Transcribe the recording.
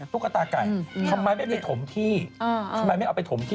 ตุ๊กตาไก่ทำไมไม่ไปถมที่ทำไมไม่เอาไปถมที่